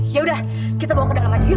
yaudah kita bawa ke dalam aja yuk